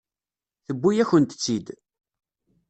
Tewwi-yakent-tt-id.